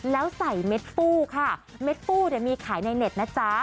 แล้วใส่เม็ดฟู้ค่ะเม็ดฟู้เนี่ยมีขายในเน็ตนะจ๊ะ